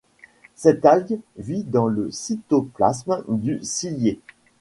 Cette algue vit dans le cytoplasme du cilié.